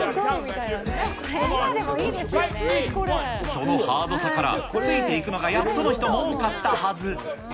そのハードさから、ついていくのがやっとの人も多かったはず。